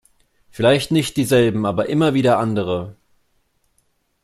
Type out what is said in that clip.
Vielleicht nicht dieselben, aber immer wieder andere.